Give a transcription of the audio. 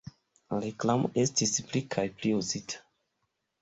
Reklamo estis pli kaj pli uzita.